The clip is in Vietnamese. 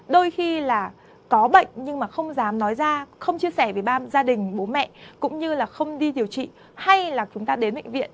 đôi khi là có bệnh nhưng mà không dám nói ra không chia sẻ với gia đình bố mẹ cũng như là không đi điều trị hay là chúng ta đến bệnh viện